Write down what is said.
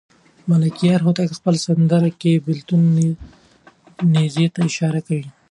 ملکیار هوتک په خپله سندره کې د بېلتون نیز ته اشاره کوي.